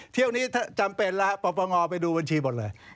เที่ยวนี้จำเป็นแล้วปปงไปดูบัญชีหมดเลย